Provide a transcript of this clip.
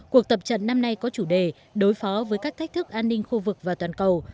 cuộc tập trận năm nay có chủ đề đối phó với các thách thức an ninh khu vực và toàn cầu